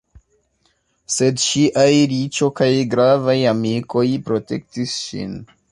Sed ŝiaj riĉo kaj gravaj amikoj protektis ŝin.